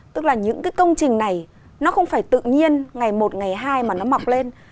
tức là những cái công trình này nó không phải tự nhiên ngày một ngày hai mà nó mọc lên